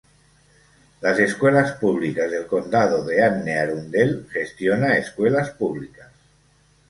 Las Escuelas Públicas del Condado de Anne Arundel gestiona escuelas públicas.